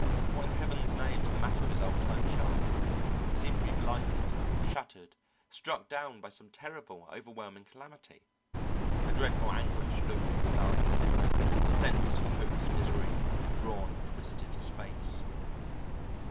What in heaven's name was the matter with his old time chum? He seemed to be blighted, shattered, struck down by some terrible, overwhelming calamity. A dreadful anguish looked through his eyes. The sense of a hopeless misery had drawn and twisted his face.